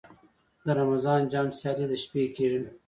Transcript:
د رمضان جام سیالۍ د شپې کیږي.